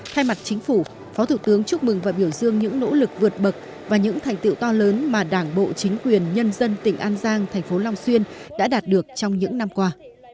thay mặt chính phủ phó thủ tướng chúc mừng và biểu dương những nỗ lực vượt bậc và những thành tựu to lớn mà đảng bộ chính quyền nhân dân tỉnh an giang thành phố long xuyên đã đạt được trong những năm qua